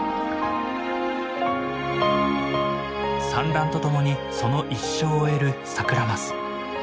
産卵とともにその一生を終えるサクラマス。